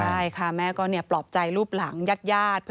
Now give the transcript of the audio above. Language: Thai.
ได้ค่ะแม่ก็ปลอบใจรูปหลังยาด